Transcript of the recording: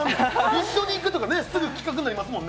一緒に行くとかすぐ企画になりますもんね。